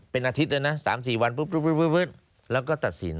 เป็นอาทิตย์เลยนะ๓๔วันปุ๊บแล้วก็ตัดสิน